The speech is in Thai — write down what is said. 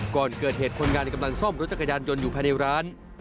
ก่อนเกิดเหตุคนงานกำลังซ่อมรถจักรยานยนต์อยู่ภายในร้าน